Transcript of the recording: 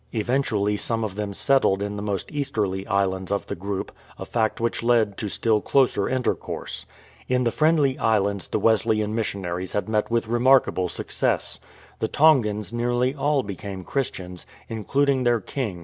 Eventually some of them settled in the most easterly islands of the group, a fact which led to still closer intercourse. In the Friendly Islands the Wesleyan missionaries had met with remarkable success. The Tongans nearly all became Christians, including their king.